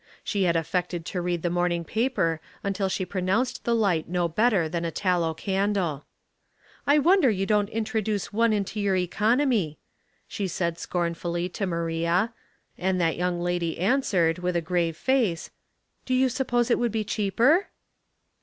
She had affected to read the evening paper until she pronounced the light no better than a tallow candle. " I wonder you don't introduce one into your economy," she said, scornfully, to Maria, and that young lady answered, with a grave face, —" Do you suppose it would be cheaper